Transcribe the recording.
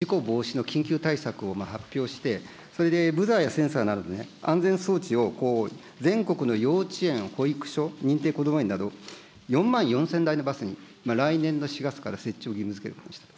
この問題を受けて、政府は事故防止の緊急対策を発表して、それでブザーやセンサーなど、安全装置を全国の幼稚園、保育所、認定こども園など、４万４０００台のバスに来年の４月から設置を義務づけることにしました。